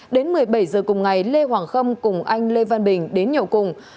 đến một mươi bảy giờ cùng ngày lê hoàng khâm cùng anh lê văn bình đến nhậu cùng